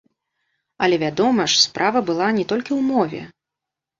Але, вядома ж, справа была не толькі ў мове.